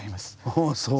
ああそう？